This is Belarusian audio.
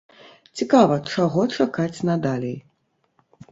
Цікава, чаго чакаць надалей.